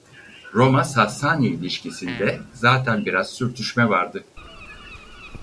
Roma-Sassani ilişkisinde zaten biraz sürtüşme vardı.